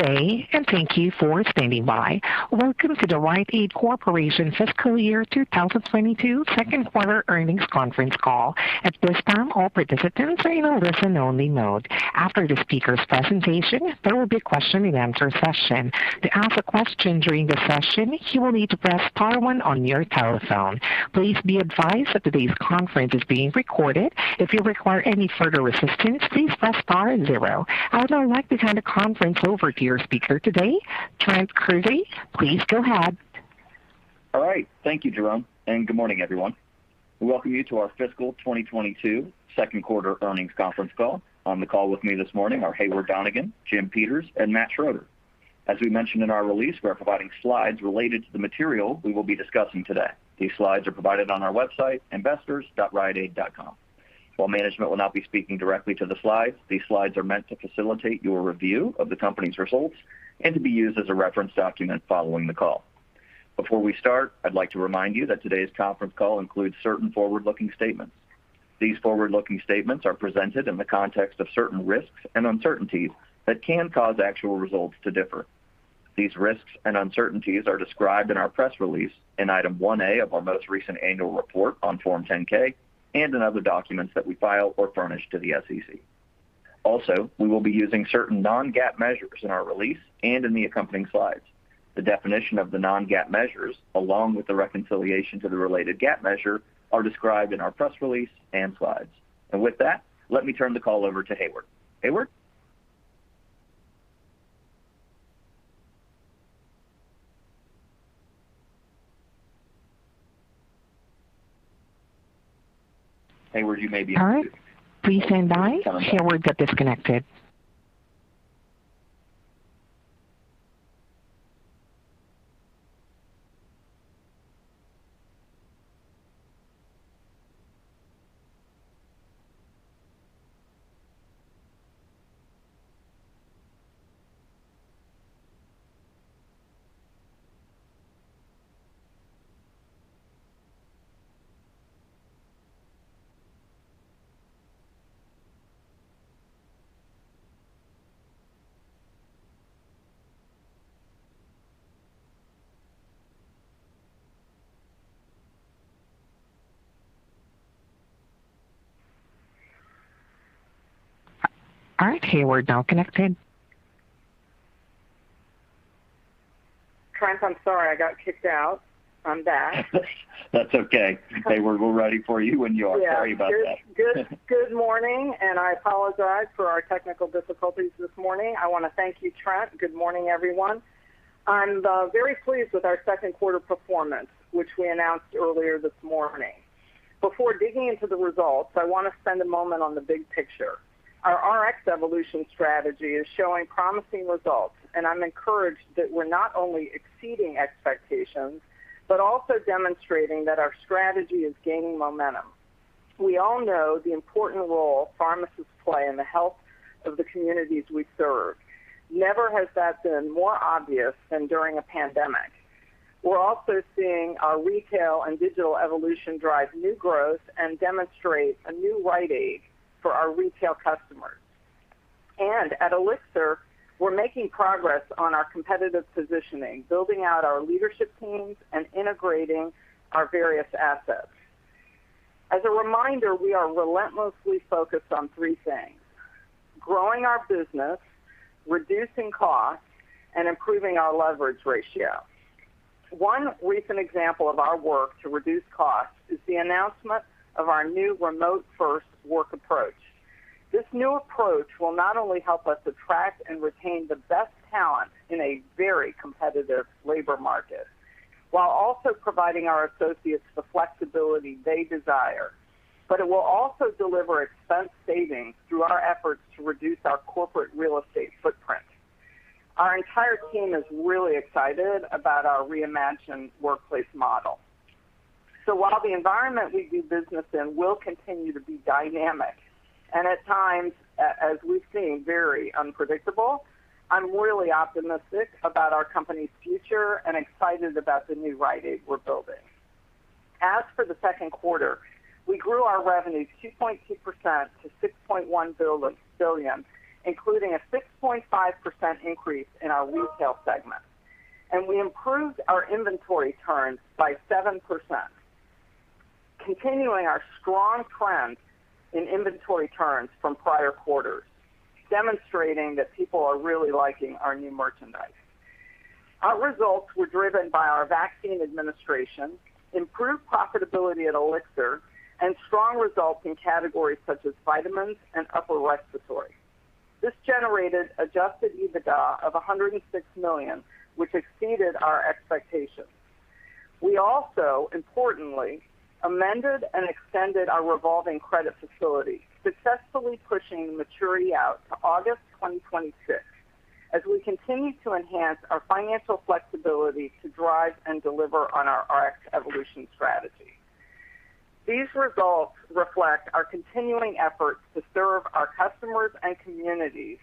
Welcome to the Rite Aid Corporation Fiscal Year 2022 second quarter earnings conference call. I would now like to turn the conference over to your speaker today, Trent Kruse. Please go ahead. All right. Thank you, Jerome. Good morning, everyone. We welcome you to our fiscal 2022 second quarter earnings conference call. On the call with me this morning are Heyward Donigan, Jim Peters, and Matt Schroeder. As we mentioned in our release, we're providing slides related to the material we will be discussing today. These slides are provided on our website, investors.riteaid.com. While management will not be speaking directly to the slides, these slides are meant to facilitate your review of the company's results and to be used as a reference document following the call. Before we start, I'd like to remind you that today's conference call includes certain forward-looking statements. These forward-looking statements are presented in the context of certain risks and uncertainties that can cause actual results to differ. These risks and uncertainties are described in our press release in Item 1A of our most recent annual report on Form 10-K and in other documents that we file or furnish to the SEC. Also, we will be using certain non-GAAP measures in our release and in the accompanying slides. The definition of the non-GAAP measures, along with the reconciliation to the related GAAP measure, are described in our press release and slides. With that, let me turn the call over to Heyward. Heyward? Heyward, you may be unmuted. All right. Please stand by. Heyward got disconnected. All right, Heyward, now connected. Trent, I'm sorry. I got kicked out. I'm back. That's okay. Heyward, we're ready for you when you are. Yeah. Sorry about that. Good morning, and I apologize for our technical difficulties this morning. I want to thank you, Trent. Good morning, everyone. I'm very pleased with our second quarter performance, which we announced earlier this morning. Before digging into the results, I want to spend a moment on the big picture. Our Rx Evolution strategy is showing promising results. I'm encouraged that we're not only exceeding expectations but also demonstrating that our strategy is gaining momentum. We all know the important role pharmacists play in the health of the communities we serve. Never has that been more obvious than during a pandemic. We're also seeing our retail and digital evolution drive new growth and demonstrate a new Rite Aid for our retail customers. At Elixir, we're making progress on our competitive positioning, building out our leadership teams, and integrating our various assets. As a reminder, we are relentlessly focused on three things: growing our business, reducing costs, and improving our leverage ratio. One recent example of our work to reduce costs is the announcement of our new remote-first work approach. This new approach will not only help us attract and retain the best talent in a very competitive labor market while also providing our associates the flexibility they desire, but it will also deliver expense savings through our efforts to reduce our corporate real estate footprint. Our entire team is really excited about our reimagined workplace model. While the environment we do business in will continue to be dynamic and at times, as we've seen, very unpredictable, I'm really optimistic about our company's future and excited about the new Rite Aid we're building. As for the second quarter, we grew our revenue 2.2% to $6.1 billion, including a 6.5% increase in our retail segment. We improved our inventory turns by 7%, continuing our strong trend in inventory turns from prior quarters, demonstrating that people are really liking our new merchandise. Our results were driven by our vaccine administration, improved profitability at Elixir, and strong results in categories such as vitamins and upper respiratory. This generated adjusted EBITDA of $106 million, which exceeded our expectations. We also, importantly, amended and extended our revolving credit facility, successfully pushing maturity out to August 2026 as we continue to enhance our financial flexibility to drive and deliver on our Rx Evolution strategy. These results reflect our continuing efforts to serve our customers and communities,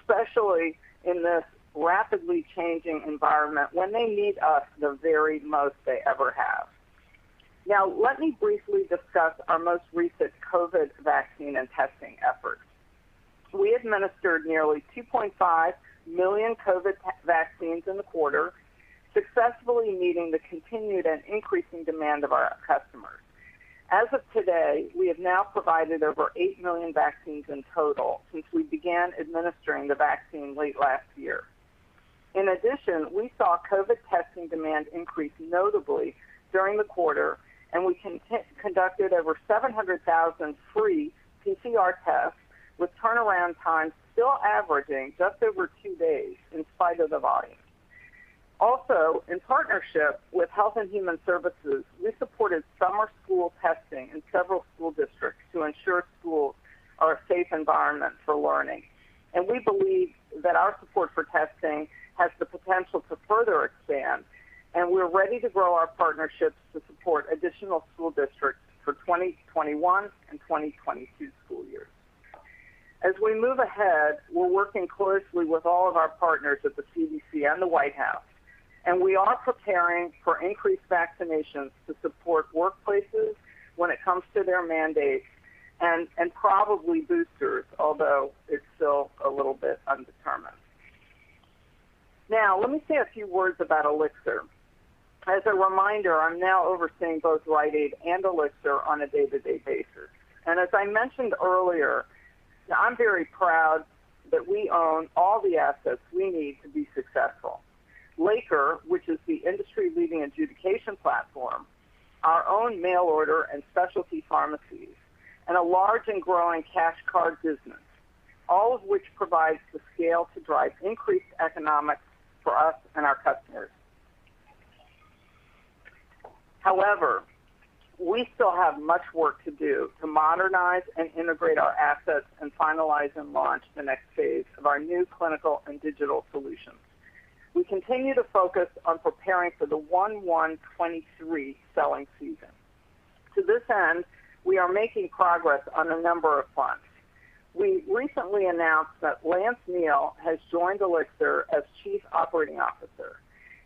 especially in this rapidly changing environment when they need us the very most they ever have. Let me briefly discuss our most recent COVID vaccine and testing efforts. We administered nearly 2.5 million COVID vaccines in the quarter, successfully meeting the continued and increasing demand of our customers. As of today, we have now provided over 8 million vaccines in total since we began administering the vaccine late last year. We saw COVID testing demand increase notably during the quarter, and we conducted over 700,000 free PCR tests with turnaround times still averaging just over two days in spite of the volume. In partnership with Health and Human Services, we supported summer school testing in several school districts to ensure schools are a safe environment for learning. We believe that our support for testing has the potential to further expand, and we're ready to grow our partnerships to support additional school districts for 2021 and 2022 school years. As we move ahead, we're working closely with all of our partners at the CDC and the White House, and we are preparing for increased vaccinations to support workplaces when it comes to their mandates and probably boosters, although it's still a little bit undetermined. Now, let me say a few words about Elixir. As a reminder, I'm now overseeing both Rite Aid and Elixir on a day-to-day basis. As I mentioned earlier, I'm very proud that we own all the assets we need to be successful. Laker Software, which is the industry-leading adjudication platform, our own mail order and specialty pharmacies, and a large and growing cash card business, all of which provides the scale to drive increased economics for us and our customers. However, we still have much work to do to modernize and integrate our assets and finalize and launch the next phase of our new clinical and digital solutions. We continue to focus on preparing for the 1/1/2023 selling season. To this end, we are making progress on a number of fronts. We recently announced that Lance Neill has joined Elixir as Chief Operating Officer.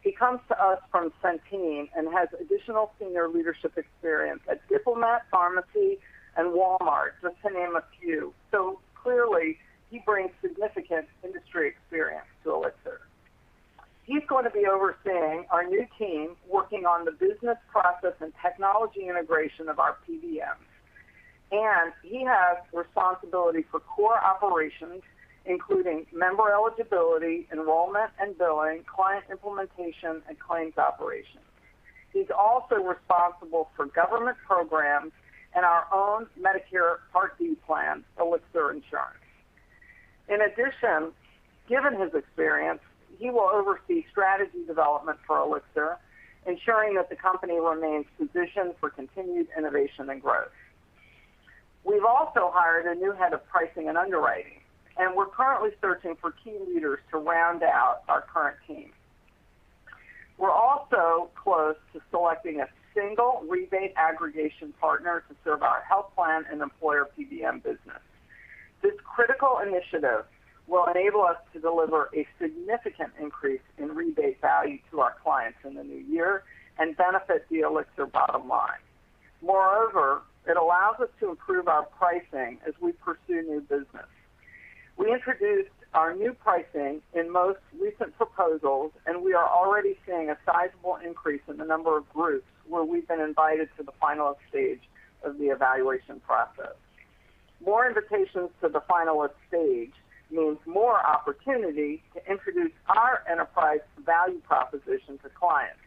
He comes to us from Centene and has additional senior leadership experience at Diplomat Pharmacy and Walmart, just to name a few. Clearly, he brings significant industry experience to Elixir. He's going to be overseeing our new team working on the business process and technology integration of our PBMs. He has responsibility for core operations, including member eligibility, enrollment and billing, client implementation, and claims operations. He's also responsible for government programs and our own Medicare Part D plan, Elixir Insurance. In addition, given his experience, he will oversee strategy development for Elixir, ensuring that the company remains positioned for continued innovation and growth. We've also hired a new head of pricing and underwriting, and we're currently searching for key leaders to round out our current team. We're also close to selecting a single rebate aggregation partner to serve our health plan and employer PBM business. This critical initiative will enable us to deliver a significant increase in rebate value to our clients in the new year and benefit the Elixir bottom line. Moreover, it allows us to improve our pricing as we pursue new business. We introduced our new pricing in most recent proposals, and we are already seeing a sizable increase in the number of groups where we've been invited to the finalist stage of the evaluation process. More invitations to the finalist stage means more opportunity to introduce our enterprise value proposition to clients.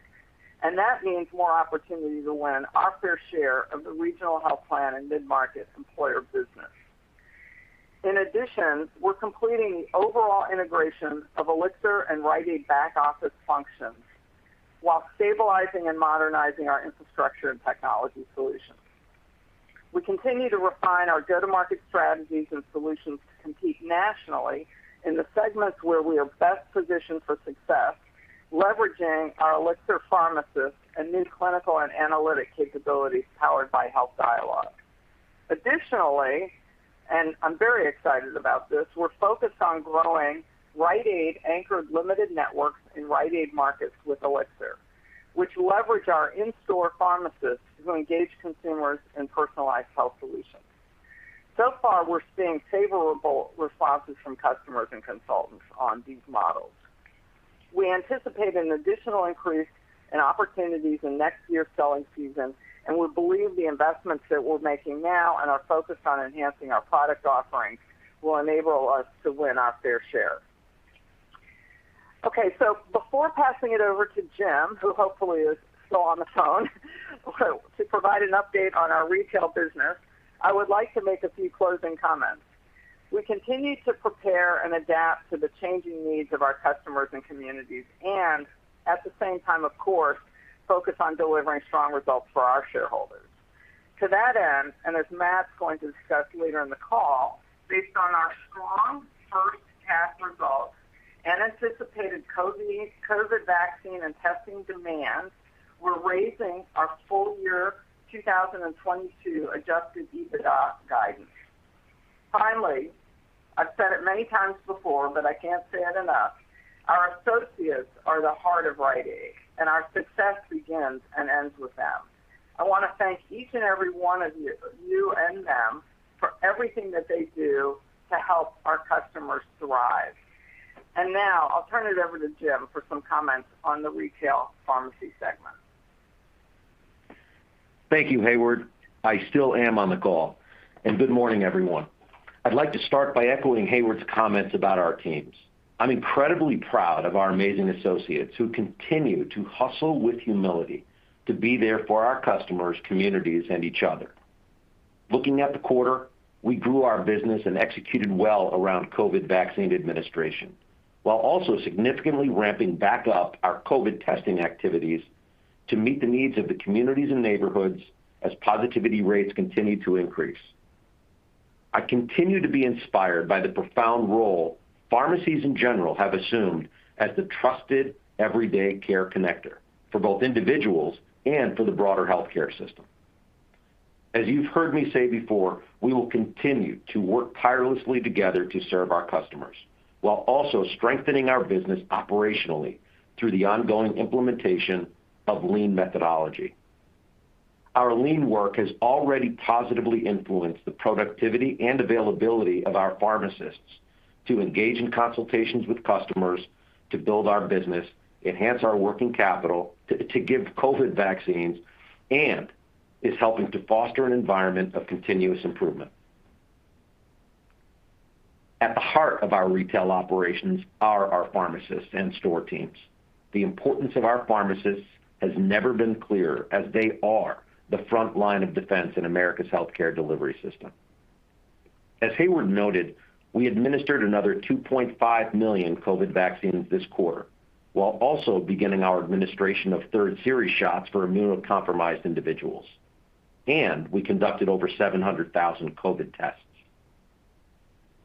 That means more opportunity to win our fair share of the regional health plan and mid-market employer business. In addition, we're completing overall integration of Elixir and Rite Aid back office functions while stabilizing and modernizing our infrastructure and technology solutions. We continue to refine our go-to-market strategies and solutions to compete nationally in the segments where we are best positioned for success, leveraging our Elixir pharmacists and new clinical and analytic capabilities powered by Health Dialog. I'm very excited about this, we're focused on growing Rite Aid anchored limited networks in Rite Aid markets with Elixir, which leverage our in-store pharmacists to engage consumers in personalized health solutions. We're seeing favorable responses from customers and consultants on these models. We anticipate an additional increase in opportunities in next year's selling season, and we believe the investments that we're making now and our focus on enhancing our product offerings will enable us to win our fair share. Before passing it over to Jim, who hopefully is still on the phone to provide an update on our retail business, I would like to make a few closing comments. We continue to prepare and adapt to the changing needs of our customers and communities, and at the same time, of course, focus on delivering strong results for our shareholders. To that end, as Matt's going to discuss later in the call, based on our strong first half results and anticipated COVID vaccine and testing demand, we're raising our full year 2022 adjusted EBITDA guidance. Finally, I've said it many times before, but I can't say it enough. Our associates are the heart of Rite Aid, and our success begins and ends with them. I want to thank each and every one of you, and them, for everything that they do to help our customers thrive. Now, I'll turn it over to Jim for some comments on the retail pharmacy segment. Thank you, Heyward. I still am on the call. Good morning, everyone. I'd like to start by echoing Heyward's comments about our teams. I'm incredibly proud of our amazing associates who continue to hustle with humility to be there for our customers, communities, and each other. Looking at the quarter, we grew our business and executed well around COVID vaccine administration, while also significantly ramping back up our COVID testing activities to meet the needs of the communities and neighborhoods as positivity rates continue to increase. I continue to be inspired by the profound role pharmacies in general have assumed as the trusted everyday care connector for both individuals and for the broader healthcare system. As you've heard me say before, we will continue to work tirelessly together to serve our customers, while also strengthening our business operationally through the ongoing implementation of lean methodology. Our lean work has already positively influenced the productivity and availability of our pharmacists to engage in consultations with customers, to build our business, enhance our working capital, to give COVID vaccines, and is helping to foster an environment of continuous improvement. At the heart of our retail operations are our pharmacists and store teams. The importance of our pharmacists has never been clearer, as they are the front line of defense in America's healthcare delivery system. As Heyward noted, we administered another 2.5 million COVID vaccines this quarter, while also beginning our administration of third series shots for immunocompromised individuals. We conducted over 700,000 COVID tests.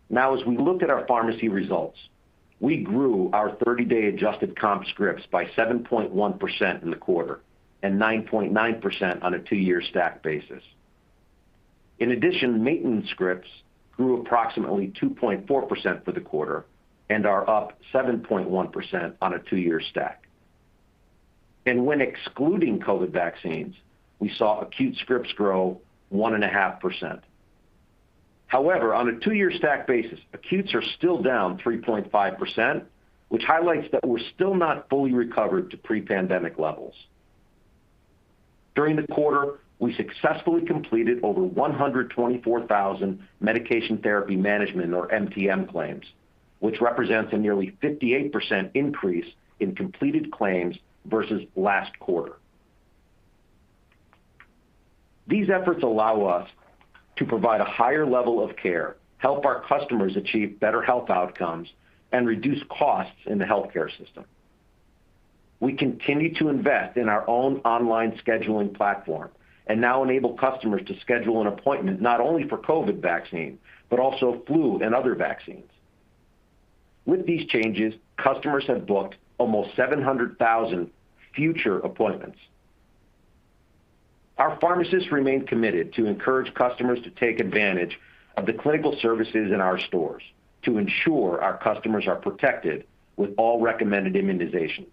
Now, as we look at our pharmacy results, we grew our 30-day adjusted comp scripts by 7.1% in the quarter, and 9.9% on a two year stack basis. In addition, maintenance scripts grew approximately 2.4% for the quarter and are up 7.1% on a two-year stack. When excluding COVID vaccines, we saw acute scripts grow 1.5%. However, on a two-year stack basis, acutes are still down 3.5%, which highlights that we're still not fully recovered to pre-pandemic levels. During the quarter, we successfully completed over 124,000 medication therapy management, or MTM claims, which represents a nearly 58% increase in completed claims versus last quarter. These efforts allow us to provide a higher level of care, help our customers achieve better health outcomes, and reduce costs in the healthcare system. We continue to invest in our own online scheduling platform, now enable customers to schedule an appointment not only for COVID vaccine, but also flu and other vaccines. With these changes, customers have booked almost 700,000 future appointments. Our pharmacists remain committed to encourage customers to take advantage of the clinical services in our stores to ensure our customers are protected with all recommended immunizations.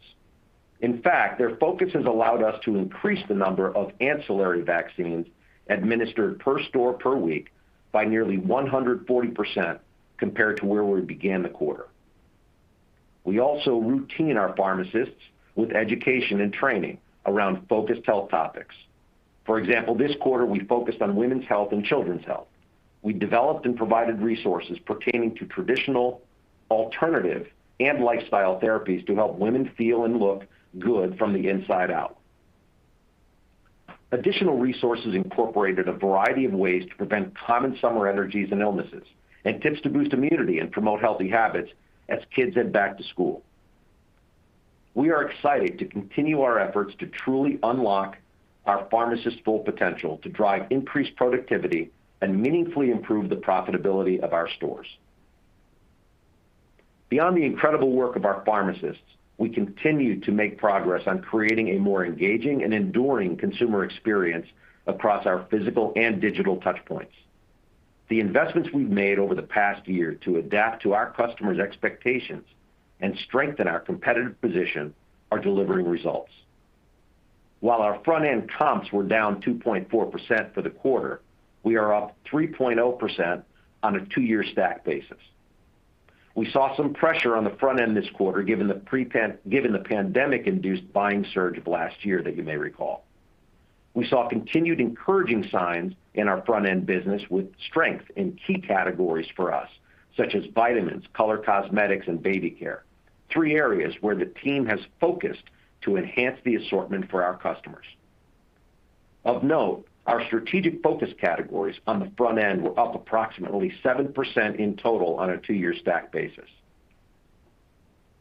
In fact, their focus has allowed us to increase the number of ancillary vaccines administered per store per week by nearly 140% compared to where we began the quarter. We also routine our pharmacists with education and training around focused health topics. For example, this quarter we focused on women's health and children's health. We developed and provided resources pertaining to traditional, alternative, and lifestyle therapies to help women feel and look good from the inside out. Additional resources incorporated a variety of ways to prevent common summer allergies and illnesses, and tips to boost immunity and promote healthy habits as kids head back to school. We are excited to continue our efforts to truly unlock our pharmacists' full potential to drive increased productivity and meaningfully improve the profitability of our stores. Beyond the incredible work of our pharmacists, we continue to make progress on creating a more engaging and enduring consumer experience across our physical and digital touchpoints. The investments we've made over the past year to adapt to our customers' expectations and strengthen our competitive position are delivering results. While our front-end comps were down 2.4% for the quarter, we are up 3.0% on a 2-year stack basis. We saw some pressure on the front end this quarter given the pandemic-induced buying surge of last year that you may recall. We saw continued encouraging signs in our front-end business with strength in key categories for us, such as vitamins, color cosmetics, and baby care. Three areas where the team has focused to enhance the assortment for our customers. Of note, our strategic focus categories on the front end were up approximately 7% in total on a two-year stack basis.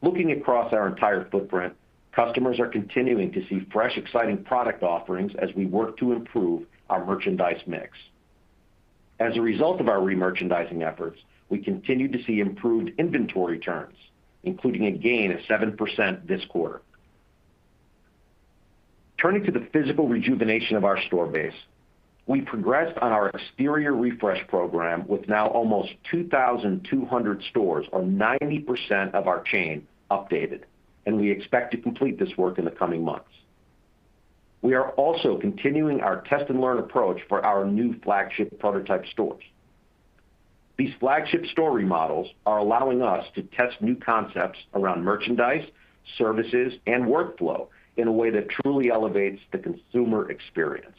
Looking across our entire footprint, customers are continuing to see fresh, exciting product offerings as we work to improve our merchandise mix. As a result of our remerchandising efforts, we continue to see improved inventory turns, including a gain of 7% this quarter. Turning to the physical rejuvenation of our store base, we progressed on our exterior refresh program with now almost 2,200 stores or 90% of our chain updated, and we expect to complete this work in the coming months. We are also continuing our test-and-learn approach for our new flagship prototype stores. These flagship store remodels are allowing us to test new concepts around merchandise, services, and workflow in a way that truly elevates the consumer experience.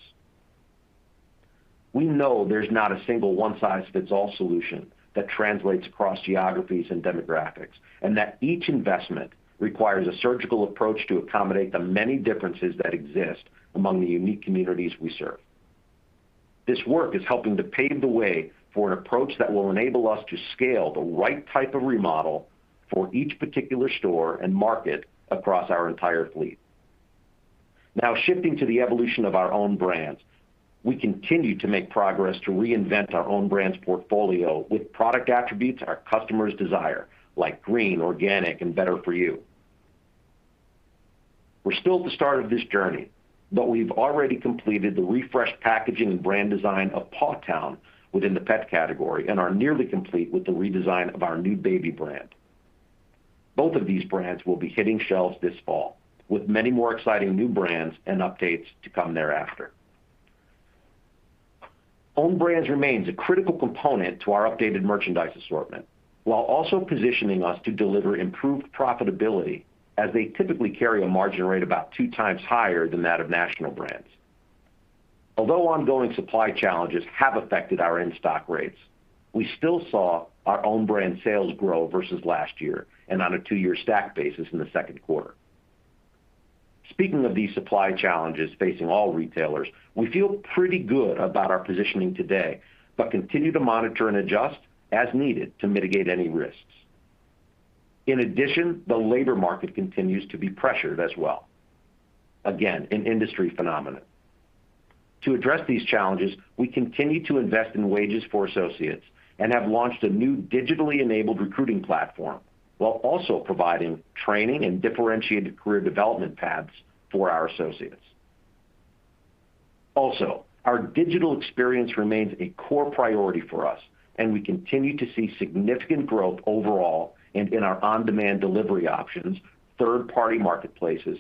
We know there's not a single one-size-fits-all solution that translates across geographies and demographics, and that each investment requires a surgical approach to accommodate the many differences that exist among the unique communities we serve. This work is helping to pave the way for an approach that will enable us to scale the right type of remodel for each particular store and market across our entire fleet. Shifting to the evolution of our own brands, we continue to make progress to reinvent our own brands portfolio with product attributes our customers desire, like green, organic, and better for you. We're still at the start of this journey, but we've already completed the refreshed packaging and brand design of [PA Town] within the pet category and are nearly complete with the redesign of our new baby brand. Both of these brands will be hitting shelves this fall, with many more exciting new brands and updates to come thereafter. Own brands remains a critical component to our updated merchandise assortment, while also positioning us to deliver improved profitability, as they typically carry a margin rate about 2x higher than that of national brands. Although ongoing supply challenges have affected our in-stock rates, we still saw our own brand sales grow versus last year and on a two year stack basis in the 2nd quarter. Speaking of these supply challenges facing all retailers, we feel pretty good about our positioning today, but continue to monitor and adjust as needed to mitigate any risks. In addition, the labor market continues to be pressured as well. Again, an industry phenomenon. To address these challenges, we continue to invest in wages for associates and have launched a new digitally enabled recruiting platform, while also providing training and differentiated career development paths for our associates. Also, our digital experience remains a core priority for us, and we continue to see significant growth overall and in our on-demand delivery options, third-party marketplaces,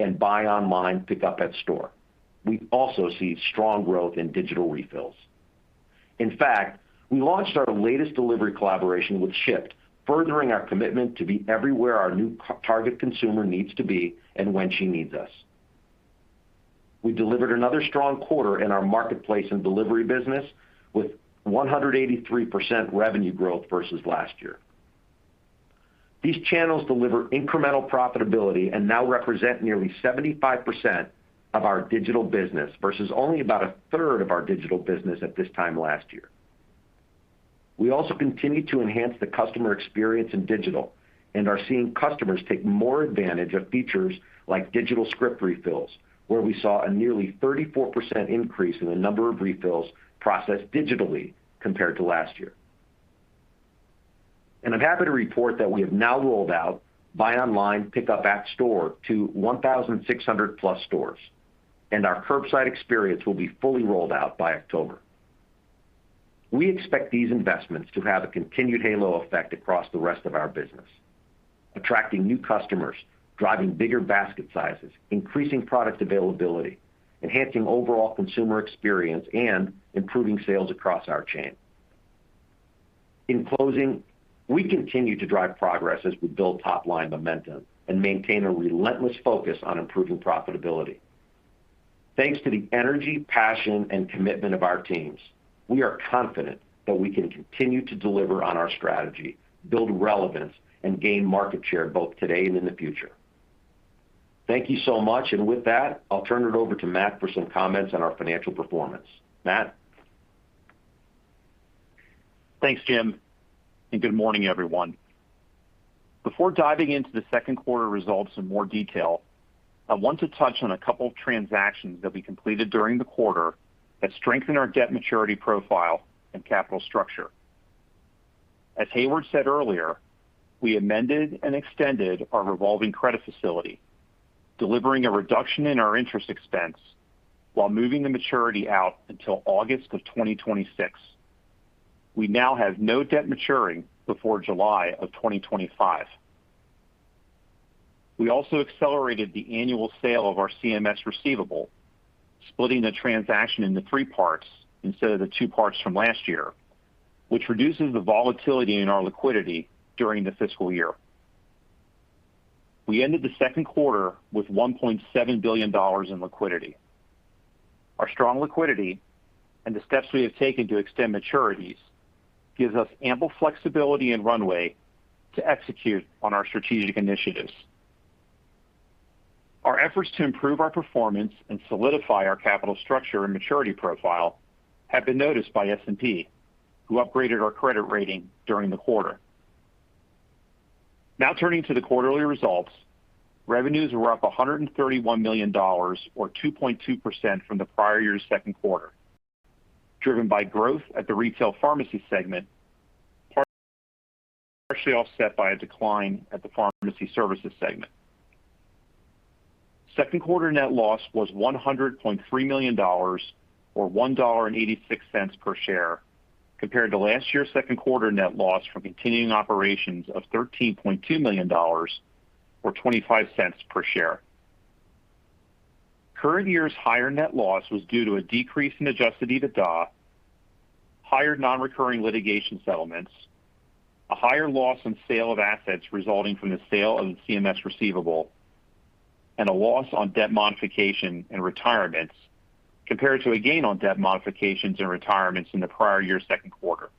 and buy online, pick up at store. We also see strong growth in digital refills. In fact, we launched our latest delivery collaboration with Shipt, furthering our commitment to be everywhere our new target consumer needs to be and when she needs us. We delivered another strong quarter in our marketplace and delivery business with 183% revenue growth versus last year. These channels deliver incremental profitability and now represent nearly 75% of our digital business versus only about a third of our digital business at this time last year. We also continue to enhance the customer experience in digital and are seeing customers take more advantage of features like digital script refills, where we saw a nearly 34% increase in the number of refills processed digitally compared to last year. I'm happy to report that we have now rolled out buy online, pick up at store to 1,600+ stores, and our curbside experience will be fully rolled out by October. We expect these investments to have a continued halo effect across the rest of our business, attracting new customers, driving bigger basket sizes, increasing product availability, enhancing overall consumer experience, and improving sales across our chain. In closing, we continue to drive progress as we build top-line momentum and maintain a relentless focus on improving profitability. Thanks to the energy, passion, and commitment of our teams, we are confident that we can continue to deliver on our strategy, build relevance, and gain market share both today and in the future. Thank you so much. With that, I'll turn it over to Matt for some comments on our financial performance. Matt? Thanks, Jim, good morning, everyone. Before diving into the second quarter results in more detail, I want to touch on a couple of transactions that we completed during the quarter that strengthen our debt maturity profile and capital structure. As Heyward said earlier, we amended and extended our revolving credit facility, delivering a reduction in our interest expense while moving the maturity out until August of 2026. We now have no debt maturing before July of 2025. We also accelerated the annual sale of our CMS receivable, splitting the transaction into three parts instead of the two parts from last year, which reduces the volatility in our liquidity during the fiscal year. We ended the second quarter with $1.7 billion in liquidity. Our strong liquidity and the steps we have taken to extend maturities gives us ample flexibility and runway to execute on our strategic initiatives. Our efforts to improve our performance and solidify our capital structure and maturity profile have been noticed by S&P, who upgraded our credit rating during the quarter. Now turning to the quarterly results, revenues were up $131 million, or 2.2% from the prior year's second quarter, driven by growth at the retail pharmacy segment. Partially offset by a decline at the pharmacy services segment. Second quarter net loss was $100.3 million, or $1.86 per share, compared to last year's second quarter net loss from continuing operations of $13.2 million, or $0.25 per share. Current year's higher net loss was due to a decrease in adjusted EBITDA, higher non-recurring litigation settlements, a higher loss on sale of assets resulting from the sale of the CMS receivable, and a loss on debt modification and retirements, compared to a gain on debt modifications and retirements in the prior year's second quarter.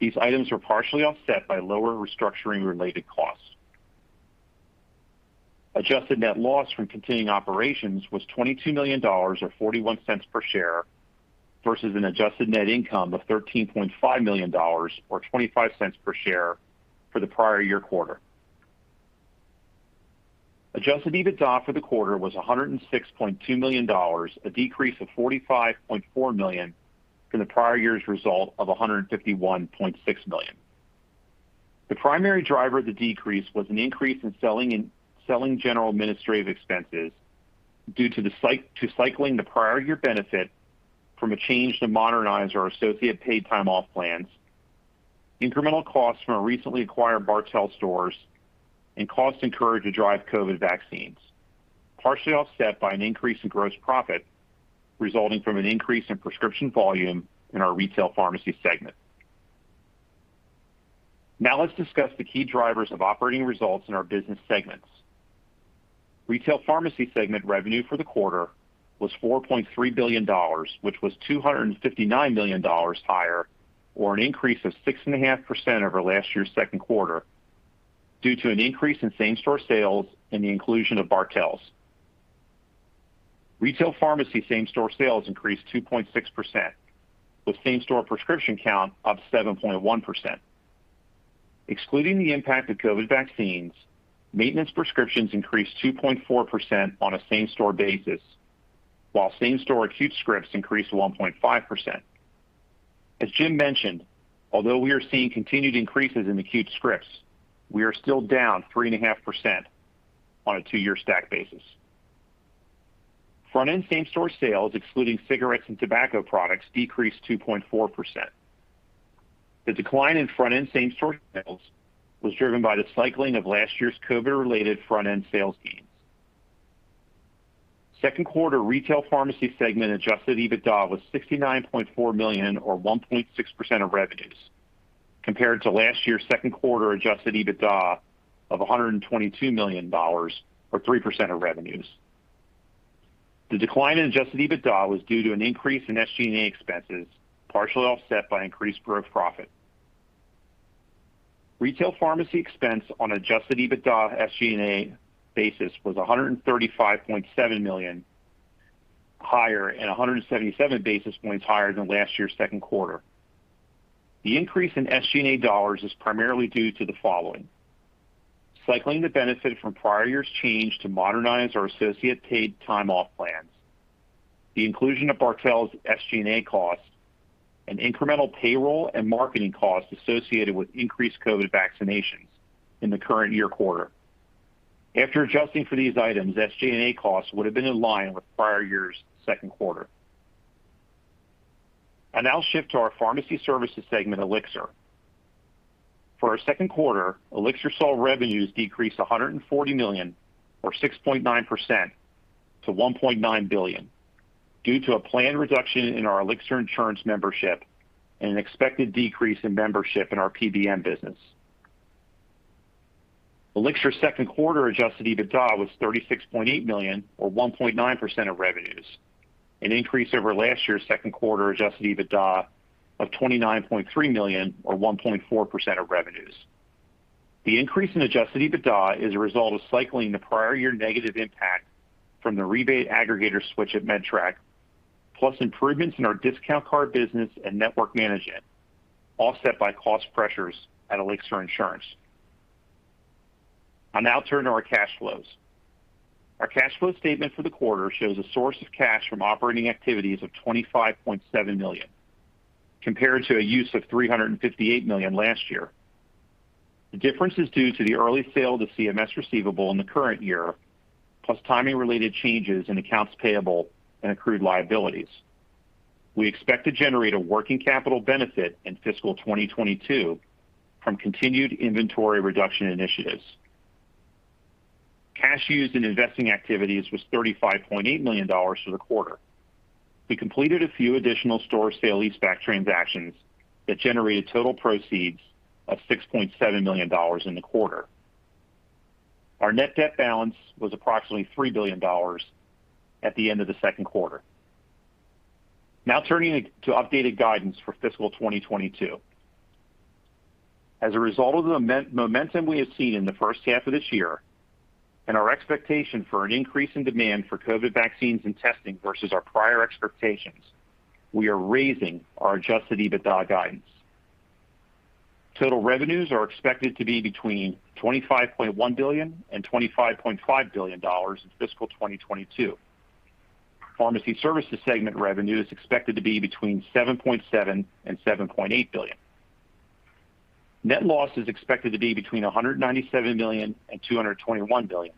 These items were partially offset by lower restructuring related costs. Adjusted net loss from continuing operations was $22 million or $0.41 per share, versus an adjusted net income of $13.5 million or $0.25 per share for the prior year quarter. Adjusted EBITDA for the quarter was $106.2 million, a decrease of $45.4 million from the prior year's result of $151.6 million. The primary driver of the decrease was an increase in selling general administrative expenses due to cycling the prior year benefit from a change to modernize our associate paid time off plans, incremental costs from our recently acquired Bartell's stores, and costs incurred to drive COVID vaccines, partially offset by an increase in gross profit resulting from an increase in prescription volume in our retail pharmacy segment. Now let's discuss the key drivers of operating results in our business segments. Retail pharmacy segment revenue for the quarter was $4.3 billion, which was $259 million higher, or an increase of 6.5% over last year's second quarter, due to an increase in same-store sales and the inclusion of Bartell's. Retail pharmacy same-store sales increased 2.6%, with same-store prescription count up 7.1%. Excluding the impact of COVID vaccines, maintenance prescriptions increased 2.4% on a same-store basis, while same-store acute scripts increased 1.5%. As Jim mentioned, although we are seeing continued increases in acute scripts, we are still down 3.5% on a two-year stack basis. Front-end same-store sales, excluding cigarettes and tobacco products, decreased 2.4%. The decline in front-end same-store sales was driven by the cycling of last year's COVID-related front-end sales gains. Second quarter retail pharmacy segment adjusted EBITDA was $69.4 million, or 1.6% of revenues, compared to last year's second quarter adjusted EBITDA of $122 million, or 3% of revenues. The decline in adjusted EBITDA was due to an increase in SG&A expenses, partially offset by increased gross profit. Retail pharmacy expense on adjusted EBITDA SG&A basis was $135.7 million higher and 177 basis points higher than last year's second quarter. The increase in SG&A dollars is primarily due to the following: Cycling the benefit from prior year's change to modernize our associate paid time off plans, the inclusion of Bartell's SG&A costs, and incremental payroll and marketing costs associated with increased COVID vaccinations in the current year quarter. After adjusting for these items, SG&A costs would've been in line with prior year's second quarter. I'll now shift to our pharmacy services segment, Elixir. For our second quarter, Elixir saw revenues decrease $140 million, or 6.9%, to $1.9 billion, due to a planned reduction in our Elixir insurance membership and an expected decrease in membership in our PBM business. Elixir's second quarter adjusted EBITDA was $36.8 million, or 1.9% of revenues, an increase over last year's second quarter adjusted EBITDA of $29.3 million, or 1.4% of revenues. The increase in adjusted EBITDA is a result of cycling the prior year negative impact from the rebate aggregator switch at MedTrakRx, plus improvements in our discount card business and network management, offset by cost pressures at Elixir Insurance Company. I'll now turn to our cash flows. Our cash flow statement for the quarter shows a source of cash from operating activities of $25.7 million, compared to a use of $358 million last year. The difference is due to the early sale to CMS receivable in the current year, plus timing related changes in accounts payable and accrued liabilities. We expect to generate a working capital benefit in fiscal 2022 from continued inventory reduction initiatives. Cash used in investing activities was $35.8 million for the quarter. We completed a few additional store sale leaseback transactions that generated total proceeds of $6.7 million in the quarter. Our net debt balance was approximately $3 billion at the end of the second quarter. Turning to updated guidance for fiscal 2022. As a result of the momentum we have seen in the first half of this year, and our expectation for an increase in demand for COVID vaccines and testing versus our prior expectations, we are raising our adjusted EBITDA guidance. Total revenues are expected to be between $25.1 billion and $25.5 billion in fiscal 2022. Pharmacy Services Segment revenue is expected to be between $7.7 and $7.8 billion. Net loss is expected to be between $197 million and $221 million.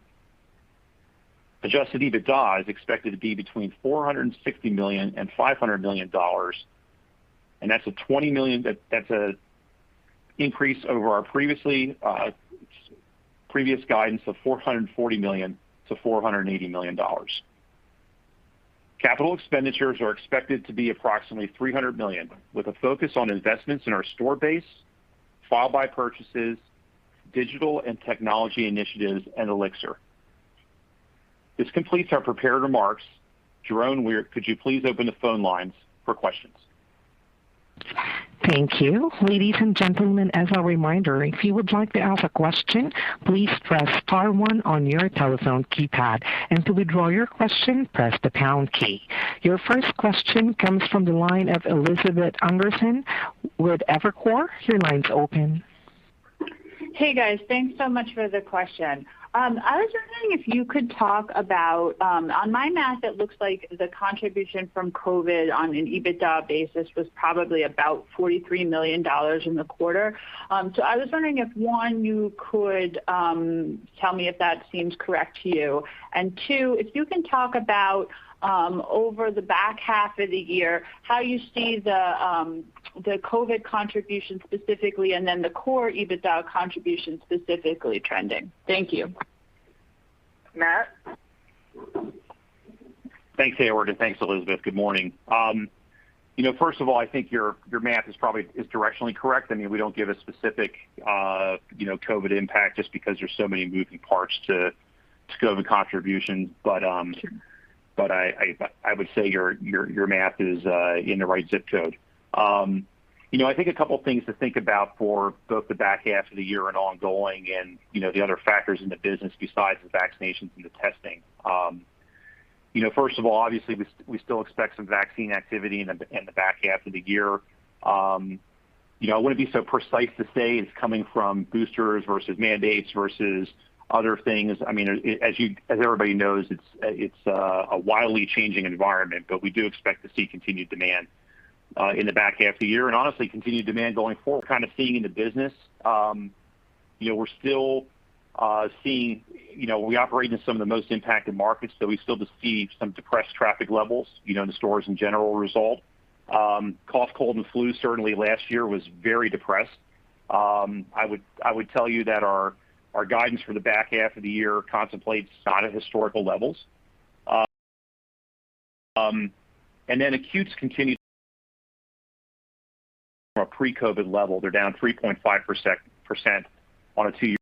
Adjusted EBITDA is expected to be between $460 million and $500 million. That's a increase over our previous guidance of $440 million to $480 million. Capital expenditures are expected to be approximately $300 million, with a focus on investments in our store base, file buy purchases, digital and technology initiatives, and Elixir. This completes our prepared remarks. Jerome, could you please open the phone lines for questions? Your first question comes from the line of Elizabeth Anderson with Evercore. Your line's open. Hey, guys. Thanks so much for the question. I was wondering if you could talk about, on my math, it looks like the contribution from COVID on an EBITDA basis was probably about $43 million in the quarter. I was wondering if, one, you could tell me if that seems correct to you, and two, if you can talk about, over the back half of the year, how you see the COVID contribution specifically and then the core EBITDA contribution specifically trending. Thank you. Matt? Thanks, Heyward, and thanks, Elizabeth. Good morning. I think your math is directionally correct. We don't give a specific COVID impact just because there's so many moving parts to COVID contributions. Sure. I would say your math is in the right zip code. I think a couple things to think about for both the back half of the year and ongoing and the other factors in the business besides the vaccinations and the testing. First of all, obviously, we still expect some vaccine activity in the back half of the year. I wouldn't be so precise to say it's coming from boosters versus mandates versus other things. As everybody knows, it's a wildly changing environment. We do expect to see continued demand in the back half of the year, and honestly, continued demand going forward. Seeing in the business, we operate in some of the most impacted markets, so we still see some depressed traffic levels in the stores in general result. Cough, cold, and flu certainly last year was very depressed. I would tell you that our guidance for the back half of the year contemplates not at historical levels. Then acutes continue from a pre-COVID level. They're down 3.5% on a two.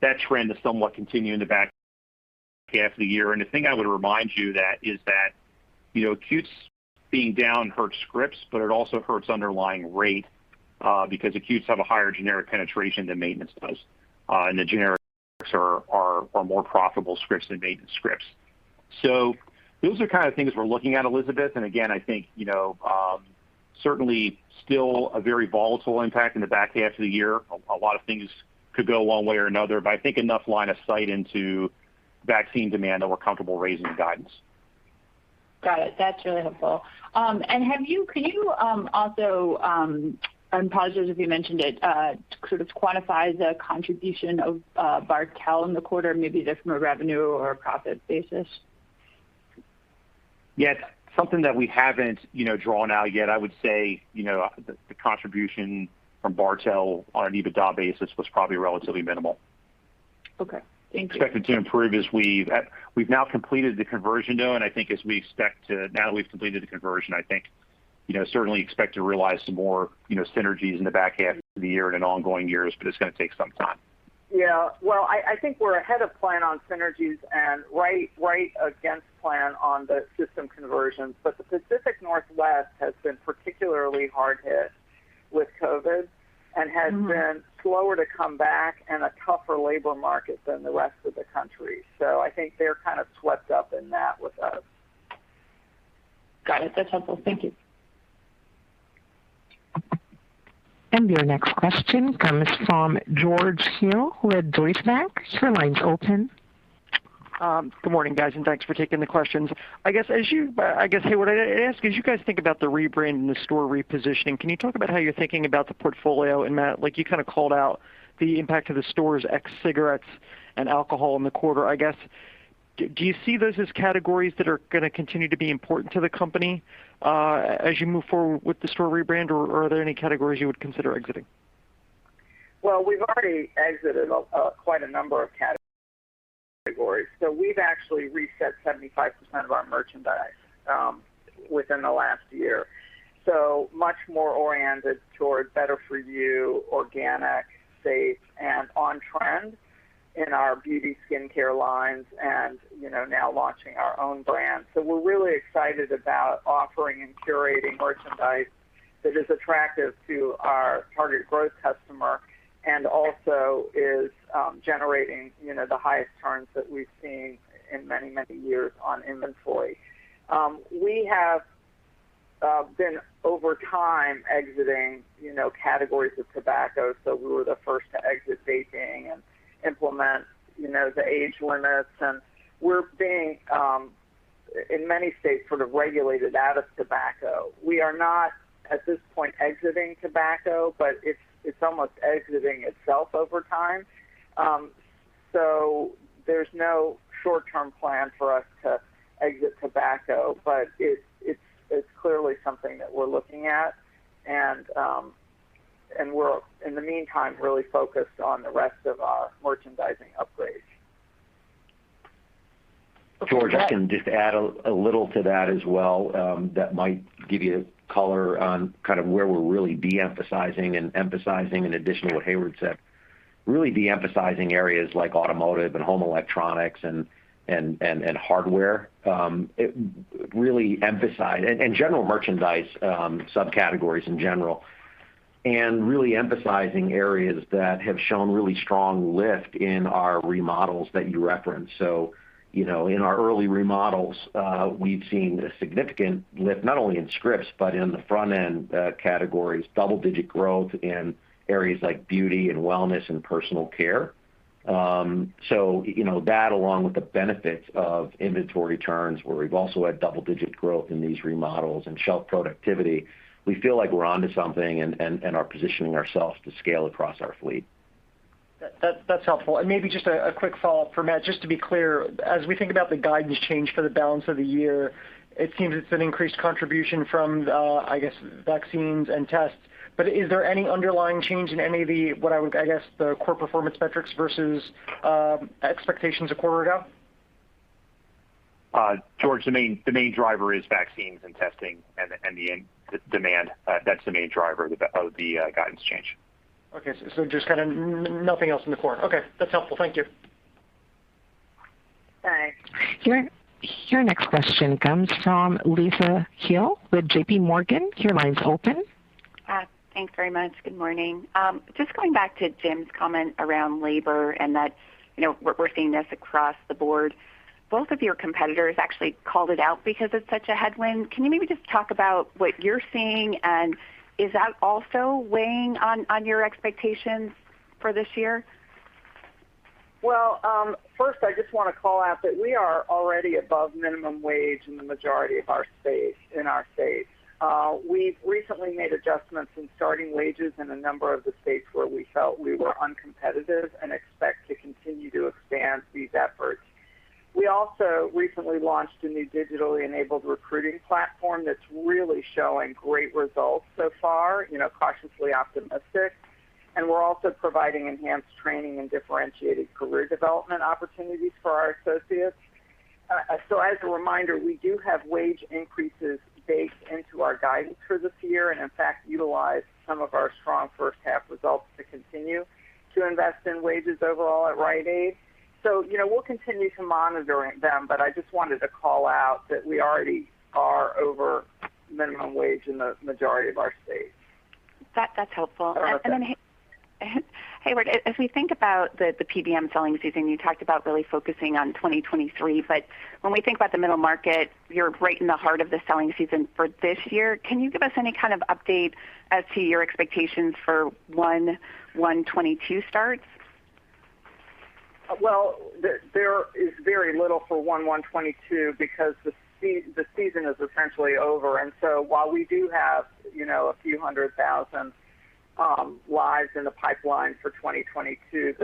That trend to somewhat continue in the back half of the year. The thing I would remind you that is that, acutes being down hurts scripts, but it also hurts underlying rate, because acutes have a higher generic penetration than maintenance does. The generic are more profitable scripts than maintenance scripts. Those are kind of things we're looking at, Elizabeth, and again, I think, certainly still a very volatile impact in the back half of the year. A lot of things could go one way or another, but I think enough line of sight into vaccine demand that we're comfortable raising the guidance. Got it. That's really helpful. Can you also, I'm positive if you mentioned it, sort of quantify the contribution of Bartell in the quarter, maybe just from a revenue or a profit basis? Yeah. It's something that we haven't drawn out yet. I would say, the contribution from Bartell on an EBITDA basis was probably relatively minimal. Okay. Thank you. Expected to improve as we've now completed the conversion, though, and I think Now that we've completed the conversion, I think, certainly expect to realize some more synergies in the back half of the year and in ongoing years. It's going to take some time. Yeah. Well, I think we're ahead of plan on synergies and right against plan on the system conversions. The Pacific Northwest has been particularly hard hit with COVID and has been slower to come back and a tougher labor market than the rest of the country. I think they're kind of swept up in that with us. Got it. That's helpful. Thank you. Your next question comes from George Hill with Deutsche Bank. Good morning, guys, and thanks for taking the questions. Heyward, I ask, as you guys think about the rebrand and the store repositioning, can you talk about how you're thinking about the portfolio? Matt, you kind of called out the impact of the stores ex cigarettes and alcohol in the quarter. Do you see those as categories that are going to continue to be important to the company as you move forward with the store rebrand, or are there any categories you would consider exiting? Well, we've already exited quite a number of categories. We've actually reset 75% of our merchandise within the last year. Much more oriented towards better for you, organic, safe, and on trend in our beauty skincare lines and now launching our own brand. We're really excited about offering and curating merchandise that is attractive to our target growth customer and also is generating the highest turns that we've seen in many, many years on inventory. We have been over time exiting categories of tobacco. We were the first to exit vaping and implement the age limits, and we're being, in many states, sort of regulated out of tobacco. We are not, at this point, exiting tobacco, but it's almost exiting itself over time. There's no short-term plan for us to exit tobacco, but it's clearly something that we're looking at. We're, in the meantime, really focused on the rest of our merchandising upgrades. George, I can just add a little to that as well, that might give you color on where we're really de-emphasizing and emphasizing in addition to what Heyward said. Really de-emphasizing areas like automotive and home electronics and hardware. General merchandise, subcategories in general, and really emphasizing areas that have shown really strong lift in our remodels that you referenced. In our early remodels, we've seen a significant lift, not only in scripts, but in the front-end categories, double-digit growth in areas like beauty and wellness and personal care. That, along with the benefits of inventory turns, where we've also had double-digit growth in these remodels and shelf productivity. We feel like we're onto something and are positioning ourselves to scale across our fleet. That's helpful. Maybe just a quick follow-up for Matt, just to be clear, as we think about the guidance change for the balance of the year, it seems it's an increased contribution from, I guess, vaccines and tests. Is there any underlying change in any of the, I guess, the core performance metrics versus expectations a quarter ago? George, the main driver is vaccines and testing and the demand. That's the main driver of the guidance change. Okay, just kind of nothing else in the quarter. Okay. That's helpful. Thank you. Thanks. Your next question comes from Lisa Gill with JPMorgan. Your line's open. Thanks very much. Good morning. Just going back to Jim's comment around labor and that we're seeing this across the board. Both of your competitors actually called it out because it's such a headwind. Can you maybe just talk about what you're seeing, and is that also weighing on your expectations for this year? Well, first, I just want to call out that we are already above minimum wage in the majority of our states. We've recently made adjustments in starting wages in a number of the states where we felt we were uncompetitive and expect to continue to expand these efforts. We also recently launched a new digitally enabled recruiting platform that's really showing great results so far, cautiously optimistic. We're also providing enhanced training and differentiated career development opportunities for our associates. As a reminder, we do have wage increases baked into our guidance for this year, and in fact, utilize some of our strong first half results to continue to invest in wages overall at Rite Aid. We'll continue to monitor them, but I just wanted to call out that we already are over minimum wage in the majority of our states. That's helpful. Okay. Heyward, as we think about the PBM selling season, you talked about really focusing on 2023, but when we think about the middle market, you're right in the heart of the selling season for this year. Can you give us any kind of update as to your expectations for 1/1/2022 starts? Well, there is very little for 1/1/22 because the season is essentially over. While we do have a few hundred thousand lives in the pipeline for 2022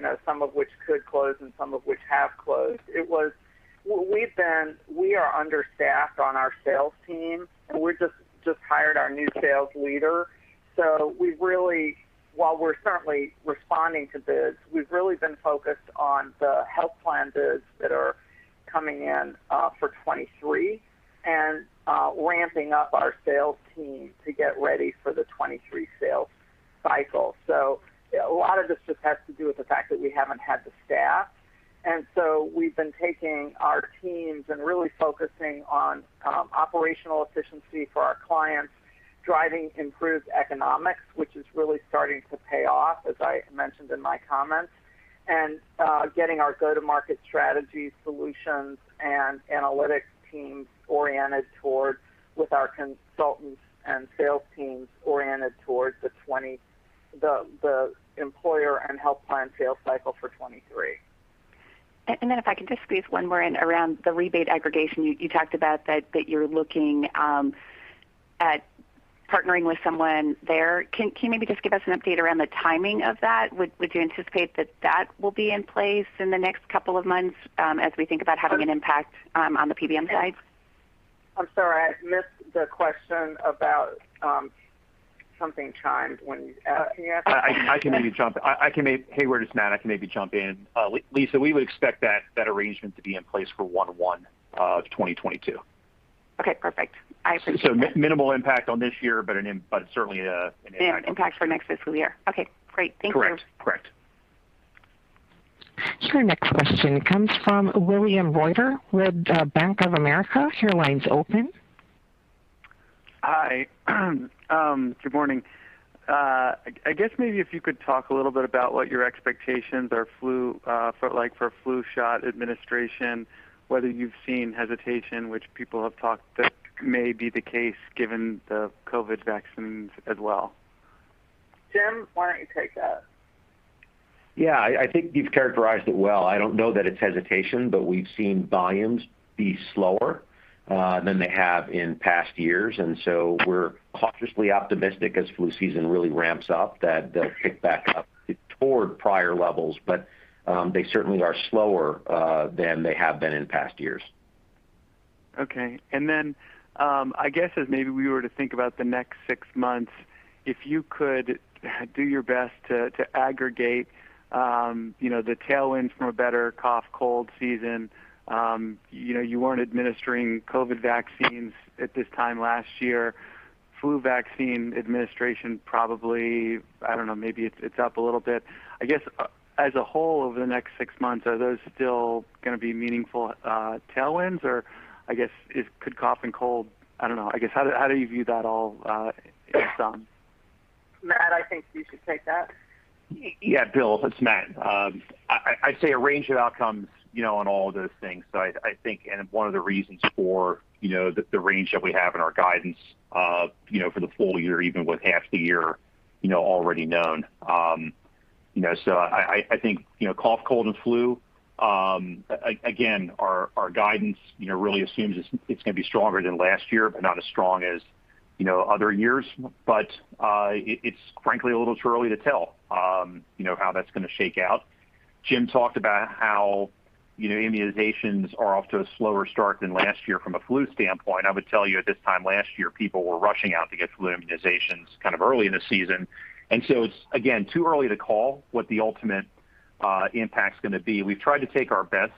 that some of which could close and some of which have closed. We are understaffed on our sales team, and we just hired our new sales leader. While we're certainly responding to bids, we've really been focused on the health plan bids that are coming in for 2023 and ramping up our sales team to get ready for the 2023 sales cycle. A lot of this just has to do with the fact that we haven't had the staff. We've been taking our teams and really focusing on operational efficiency for our clients, driving improved economics, which is really starting to pay off, as I mentioned in my comments, and getting our go-to-market strategy solutions and analytics teams, with our consultants and sales teams, oriented towards the employer and health plan sales cycle for 2023. If I can just squeeze one more in around the rebate aggregation. You talked about that you're looking at partnering with someone there. Can you maybe just give us an update around the timing of that? Would you anticipate that that will be in place in the next couple of months as we think about having an impact on the PBM side? I'm sorry. I missed the question about something chimed when you asked me that. Heyward, it's Matt. I can maybe jump in. Lisa, we would expect that arrangement to be in place for 1/1/2022. Okay, perfect. I appreciate that. Minimal impact on this year, but certainly an impact. Yeah, an impact for next fiscal year. Okay, great. Thank you. Correct. Your next question comes from William Reuter with Bank of America. Your line's open. Hi. Good morning. I guess maybe if you could talk a little bit about what your expectations are like for flu shot administration, whether you've seen hesitation, which people have talked that may be the case given the COVID vaccines as well. Jim, why don't you take that? I think you've characterized it well. I don't know that it's hesitation, but we've seen volumes be slower than they have in past years. We're cautiously optimistic as flu season really ramps up that they'll kick back up toward prior levels. They certainly are slower than they have been in past years. Okay. I guess as maybe we were to think about the next six months, if you could do your best to aggregate the tailwind from a better cough, cold season. You weren't administering COVID vaccines at this time last year. Flu vaccine administration probably, I don't know, maybe it's up a little bit. I guess, as a whole over the next six months, are those still going to be meaningful tailwinds? I don't know. I guess, how do you view that all in sum? Matt, I think you should take that. Yeah, Bill, it's Matt. I'd say a range of outcomes on all of those things. I think one of the reasons for the range that we have in our guidance for the full year, even with half the year already known. I think cough, cold, and flu, again, our guidance really assumes it's going to be stronger than last year, but not as strong as other years. It's frankly a little too early to tell how that's going to shake out. Jim talked about how immunizations are off to a slower start than last year from a flu standpoint. I would tell you at this time last year, people were rushing out to get flu immunizations kind of early in the season. It's, again, too early to call what the ultimate impact's going to be. We've tried to take our best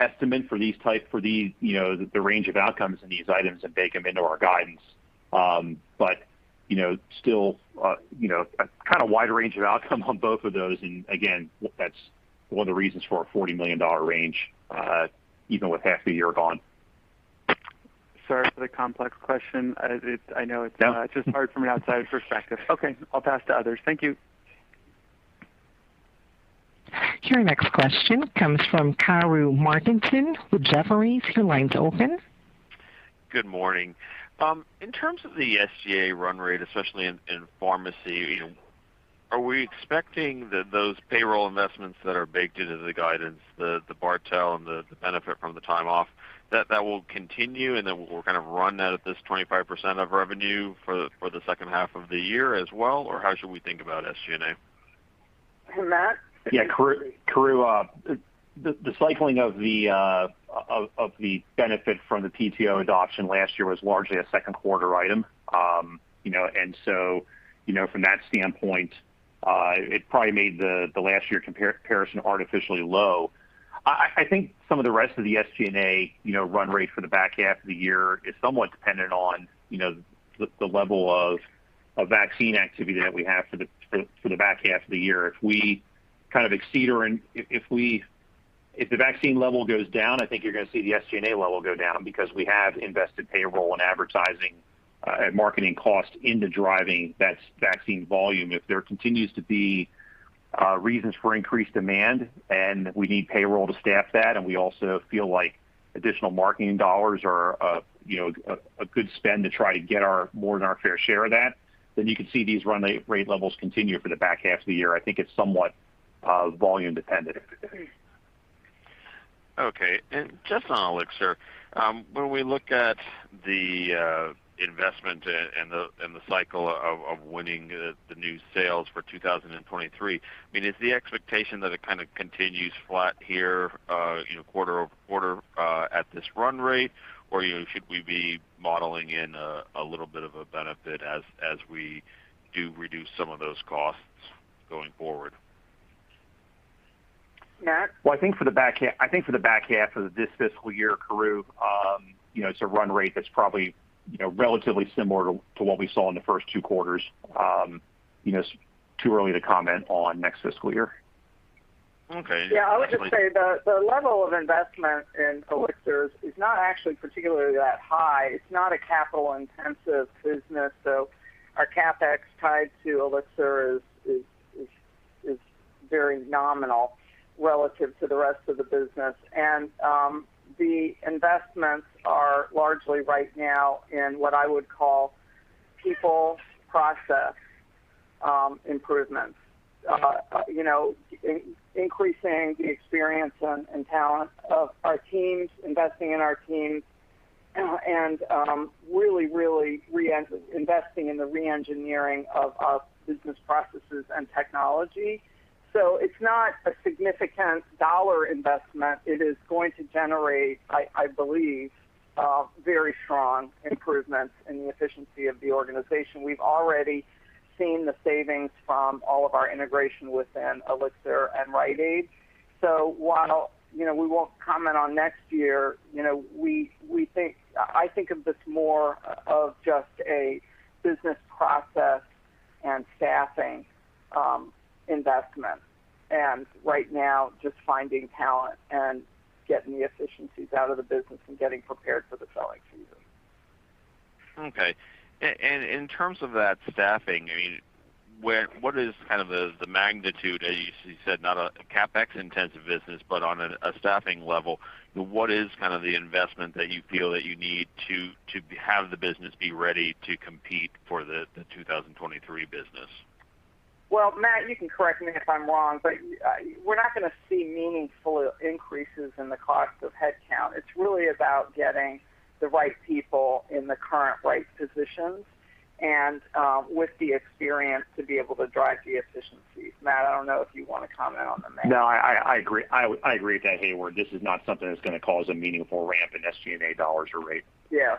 estimate for the range of outcomes in these items and bake them into our guidance. Still a kind of wide range of outcome on both of those, and again, that's one of the reasons for our $40 million range, even with half the year gone. Sorry for the complex question. No just hard from an outsider's perspective. Okay, I will pass to others. Thank you. Your next question comes from Karru Martinson with Jefferies. Your line's open. Good morning. In terms of the SG&A run rate, especially in pharmacy, are we expecting that those payroll investments that are baked into the guidance, the Bartell and the benefit from the time off, that will continue, and then we'll kind of run that at this 25% of revenue for the second half of the year as well? How should we think about SG&A? Matt? Yeah, Karru, the cycling of the benefit from the PTO adoption last year was largely a second quarter item. From that standpoint, it probably made the last year comparison artificially low. I think some of the rest of the SG&A run rate for the back half of the year is somewhat dependent on the level of vaccine activity that we have for the back half of the year. If the vaccine level goes down, I think you're going to see the SG&A level go down because we have invested payroll and advertising and marketing costs into driving that vaccine volume. If there continues to be reasons for increased demand and we need payroll to staff that, and we also feel like additional marketing dollars are a good spend to try to get more than our fair share of that, then you could see these run rate levels continue for the back half of the year. I think it's somewhat volume dependent. Okay. Just on Elixir, when we look at the investment and the cycle of winning the new sales for 2023, is the expectation that it kind of continues flat here quarter-over-quarter at this run rate, or should we be modeling in a little bit of a benefit as we do reduce some of those costs going forward? Matt? Well, I think for the back half of this fiscal year, Karru, it's a run rate that's probably relatively similar to what we saw in the first two quarters. It's too early to comment on next fiscal year. Okay. I would just say the level of investment in Elixir is not actually particularly that high. It's not a capital-intensive business. Our CapEx tied to Elixir is very nominal relative to the rest of the business. The investments are largely right now in what I would call people process improvements. Increasing the experience and talent of our teams, investing in our teams, and really investing in the re-engineering of business processes and technology. It's not a significant dollar investment. It is going to generate, I believe, very strong improvements in the efficiency of the organization. We've already seen the savings from all of our integration within Elixir and Rite Aid. While we won't comment on next year, I think of this more of just a business process and staffing investment. Right now, just finding talent and getting the efficiencies out of the business and getting prepared for the selling season. Okay. In terms of that staffing, what is the magnitude, as you said, not a CapEx-intensive business, but on a staffing level, what is the investment that you feel that you need to have the business be ready to compete for the 2023 business? Well, Matt, you can correct me if I'm wrong, we're not going to see meaningful increases in the cost of headcount. It's really about getting the right people in the current right positions and with the experience to be able to drive the efficiencies. Matt, I don't know if you want to comment on the math. No, I agree with that, Heyward. This is not something that's going to cause a meaningful ramp in SG&A dollars or rate. Yeah.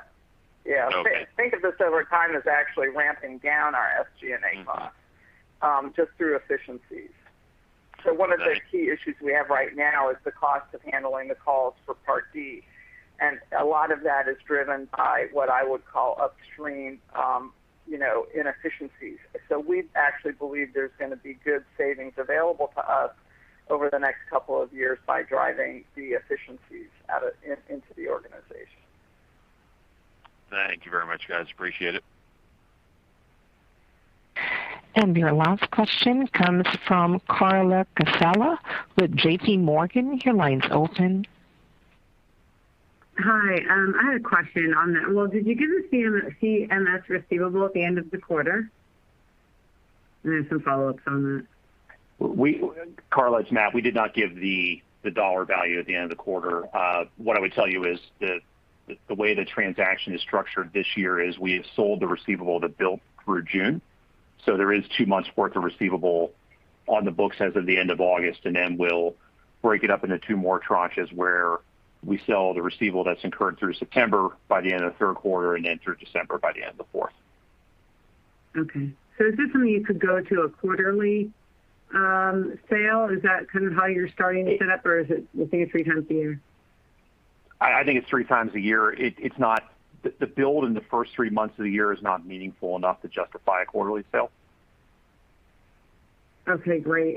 Okay. Think of this over time as actually ramping down our SG&A costs just through efficiencies. Okay. One of the key issues we have right now is the cost of handling the calls for Part D, and a lot of that is driven by what I would call upstream inefficiencies. We actually believe there's going to be good savings available to us over the next couple of years by driving the efficiencies into the organization. Thank you very much, guys. Appreciate it. Your last question comes from Carla Casella with J.P. Morgan. Your line's open. Hi. I had a question on that. Well, did you give the CMS receivable at the end of the quarter? Some follow-ups on that. Carla, it's Matt. We did not give the dollar value at the end of the quarter. What I would tell you is the way the transaction is structured this year is we have sold the receivable, the bill through June. There is two months' worth of receivable on the books as of the end of August, and then we'll break it up into two more tranches where we sell the receivable that's incurred through September by the end of the third quarter and then through December by the end of the fourth. Okay. Is this something you could go to a quarterly sale? Is that kind of how you're starting to set up, or is it, we'll see it 3 times a year? I think it's 3x a year. The build in the first three months of the year is not meaningful enough to justify a quarterly sale. Okay, great.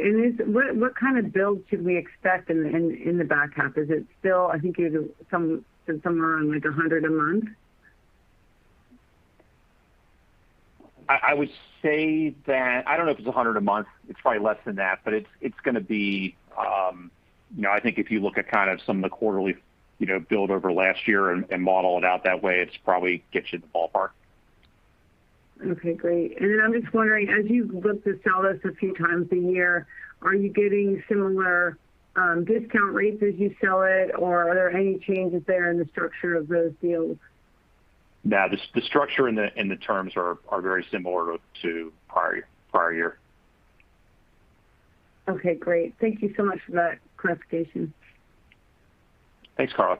What kind of build should we expect in the back half? Is it still, I think you had said somewhere around like $100 a month? I don't know if it's $100 a month. It's probably less than that, but I think if you look at some of the quarterly build over last year and model it out that way, it probably gets you in the ballpark. Okay, great. I'm just wondering, as you look to sell this a few times a year, are you getting similar discount rates as you sell it, or are there any changes there in the structure of those deals? No, the structure and the terms are very similar to prior year. Okay, great. Thank you so much for that clarification. Thanks, Carla.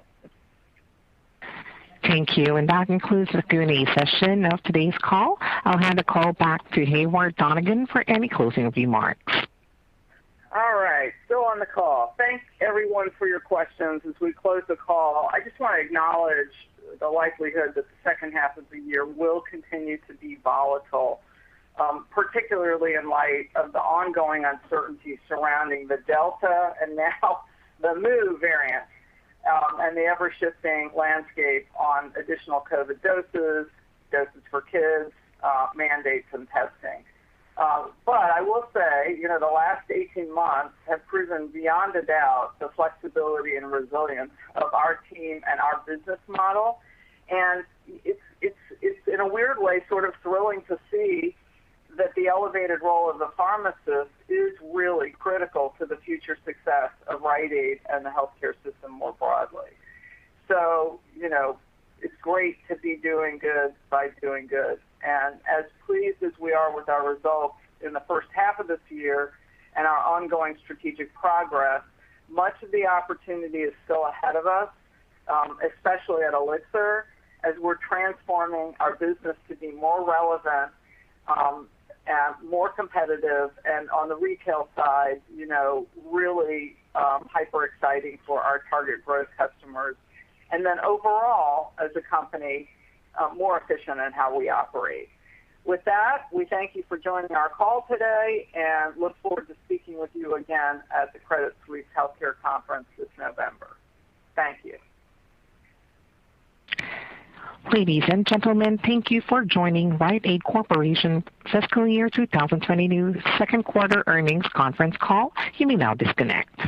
Thank you. That concludes the Q&A session of today's call. I'll hand the call back to Heyward Donigan for any closing remarks. All right. Still on the call. Thanks, everyone, for your questions. As we close the call, I just want to acknowledge the likelihood that the second half of the year will continue to be volatile, particularly in light of the ongoing uncertainty surrounding the Delta and now the Mu variant, and the ever-shifting landscape on additional COVID doses for kids, mandates, and testing. I will say, the last 18 months have proven beyond a doubt the flexibility and resilience of our team and our business model. It's, in a weird way, sort of thrilling to see that the elevated role of the pharmacist is really critical to the future success of Rite Aid and the healthcare system more broadly. It's great to be doing good by doing good. As pleased as we are with our results in the first half of this year and our ongoing strategic progress, much of the opportunity is still ahead of us, especially at Elixir, as we're transforming our business to be more relevant, more competitive, and on the retail side, really hyper-exciting for our target growth customers. Overall as a company, more efficient in how we operate. With that, we thank you for joining our call today and look forward to speaking with you again at the Credit Suisse Healthcare Conference this November. Thank you. Ladies and gentlemen, thank you for joining Rite Aid Corporation Fiscal Year 2022 Second Quarter Earnings Conference Call. You may now disconnect.